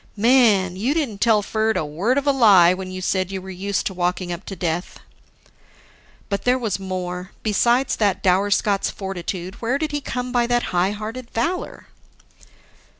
Man, you didn't tell Ferd a word of a lie when you said you were used to walking up to death." (But there was more: Besides that dour Scot's fortitude, where did he come by that high hearted valor?)